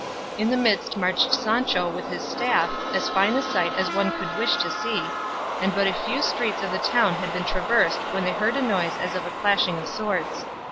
In the midst marched Sancho with his staff, as fine a sight as one could wish to see, and but a few streets of the town had been traversed when they heard a noise as of a clashing of swords.